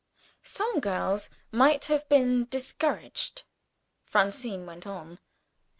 Some girls might have been discouraged. Francine went on.